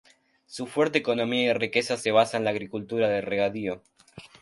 Su fuerte economía y riqueza se basa en la agricultura de regadío.